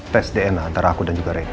test dna antara aku dan juga reyna